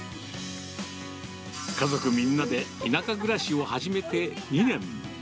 家族みんなで田舎暮らしを始めて２年。